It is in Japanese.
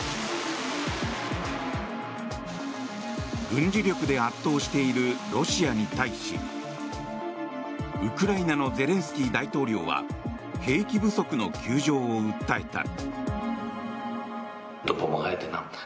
軍事力で圧倒しているロシアに対しウクライナのゼレンスキー大統領は兵器不足の窮状を訴えた。